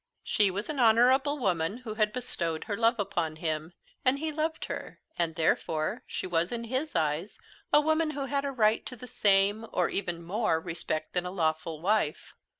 She was an honorable woman who had bestowed her love upon him, and he loved her, and therefore she was in his eyes a woman who had a right to the same, or even more, respect than a lawful wife.